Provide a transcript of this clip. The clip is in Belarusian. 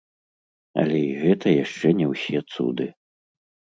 Але і гэта яшчэ не ўсе цуды.